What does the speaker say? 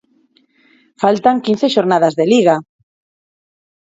Faltan quince xornadas de Liga.